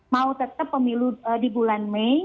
mau tetap pemilu di bulan mei